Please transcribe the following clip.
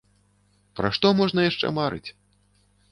Пра што можна яшчэ марыць!